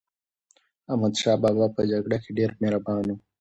احمدشاه بابا په جګړه کې ډېر مهربان هم و.